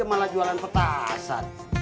malah jualan petasan